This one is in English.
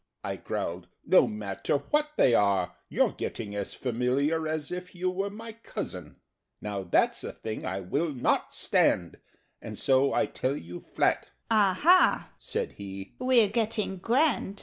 I growled "No matter what they are! You're getting as familiar As if you were my cousin! "Now that's a thing I will not stand, And so I tell you flat." "Aha," said he, "we're getting grand!"